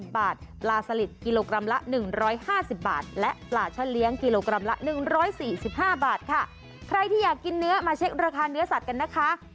๕๐บาทและปลาชะเลี้ยงกิโลกรัมละ๑๔๕บาทค่ะใครที่อยากกินเนื้อมาเช็คราคาเนื้อสัตว์กันนะคะ